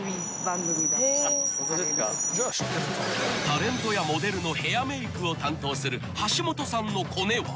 ［タレントやモデルのヘアメイクを担当する橋本さんのコネは？］